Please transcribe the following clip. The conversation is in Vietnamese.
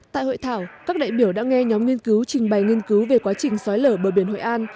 tại hội thảo các đại biểu đã nghe nhóm nghiên cứu trình bày nghiên cứu về quá trình xói lở bờ biển hội an